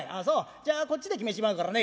じゃあこっちで決めちまうからね。